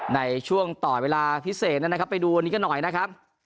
ในช่วงต่อเวลาพิเศษนะครับไปดูวันนี้กันหน่อยนะครับ